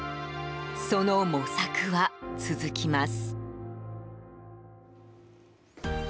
その模索は続きます。